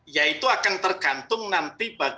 ya itu akan tergantung nanti bagaimana